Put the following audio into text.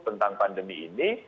tentang pandemi ini